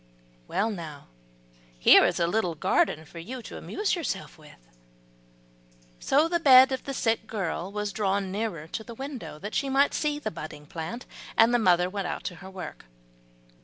Well now, here is a little garden for you to amuse yourself with." So the bed of the sick girl was drawn nearer to the window, that she might see the budding plant; and the mother went out to her work.